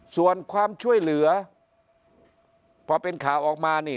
ส่วนความช่วยเหลือพอเป็นข่าวออกมานี่